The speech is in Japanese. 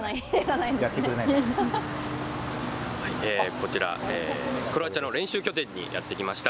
こちら、クロアチアの練習拠点にやってきました。